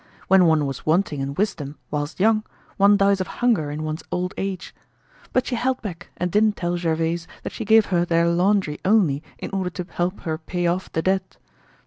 When one was wanting in wisdom whilst young, one dies of hunger in one's old age. But she held back and didn't tell Gervaise that she gave her their laundry only in order to help her pay off the debt.